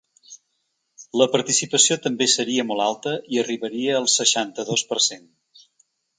La participació també seria molt alta i arribaria al seixanta-dos per cent.